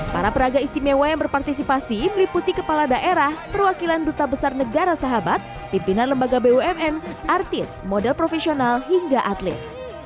para peraga istimewa yang berpartisipasi meliputi kepala daerah perwakilan duta besar negara sahabat pimpinan lembaga bumn artis model profesional hingga atlet